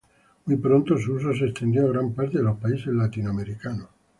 Muy pronto, su uso se extendió a gran parte de los países latinoamericanos.